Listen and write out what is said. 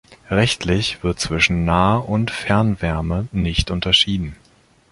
Rechtlich wird zwischen Nah- und Fernwärme nicht unterschieden.